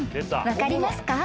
分かりますか？］